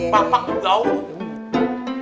pak pak tuh jauh